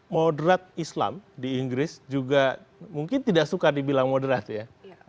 moderat islam di inggris juga mungkin tidak suka dibilang moderat ya